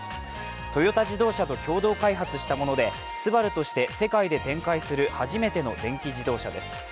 トヨタ自動車と共同開発したものでＳＵＢＡＲＵとして世界で展開する初めての電気自動車です。